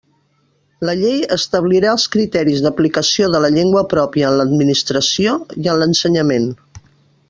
La llei establirà els criteris d'aplicació de la llengua pròpia en l'Administració i en l'ensenyament.